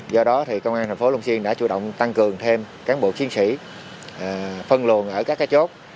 do đó thì công an tp long xuyên đã chủ động tăng cường thêm cán bộ chiến sĩ phân luồng ở các cái chốt